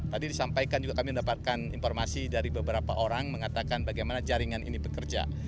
tadi disampaikan juga kami mendapatkan informasi dari beberapa orang mengatakan bagaimana jaringan ini bekerja